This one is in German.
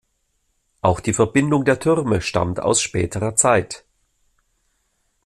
Auch die Verbindung der Türme stammt aus späterer Zeit.